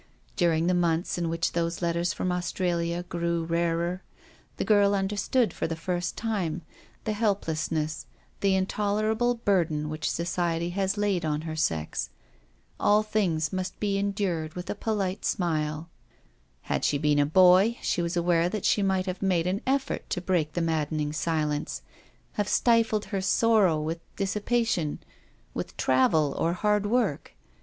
During the months in which those letters from Australia grew rarer, the girl understood for the first time the helpless* 48 THE STORY OF A MODERN WOMAN. ness, the intolerable burden which society has laid on her sex. All things must be endured with a polite smile. Had she been a boy, she was aware that she might have made an effort to break the maddening silence ; have stifled her sorrow with dissipa tion, with travel, or hard work.